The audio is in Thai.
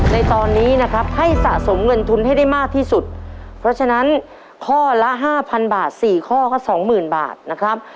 ในตอนนี้นะครับให้สะสมเงินทุนให้ได้มากที่สุดเพราะฉะนั้นข้อละห้าพันบาทสี่ข้อก็สองหมื่นบาทนะครับ